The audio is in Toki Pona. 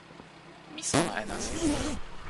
mi sona e nasin.